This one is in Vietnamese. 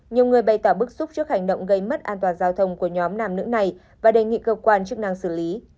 nhiều người bày tỏ bức xúc trước hành động gây mất an toàn giao thông của nhóm nam nữ này và đề nghị cơ quan chức năng xử lý